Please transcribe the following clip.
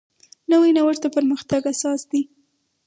نوی نوښت د پرمختګ اساس دی